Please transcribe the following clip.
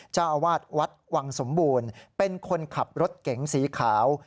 เจ้าอาวาสวัดวังสมบูรณ์เป็นคนขับรถเก๋งสีขาว